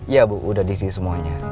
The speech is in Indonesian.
iya bu udah dc semuanya